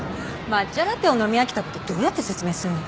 抹茶ラテを飲み飽きたことどうやって説明するの？